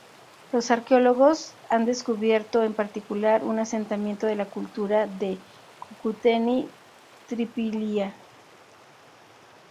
Los arqueólogos han descubierto, en particular, un asentamiento de la cultura de Cucuteni-Trypillia.